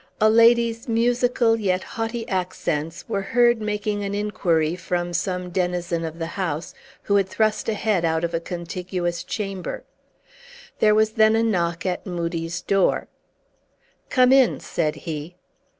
A lady's musical yet haughty accents were heard making an inquiry from some denizen of the house, who had thrust a head out of a contiguous chamber. There was then a knock at Moodie's door. "Come in!" said he.